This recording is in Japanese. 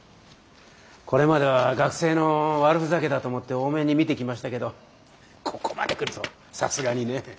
これまでは学生の悪ふざけだと思って大目に見てきましたけどここまで来るとさすがにね。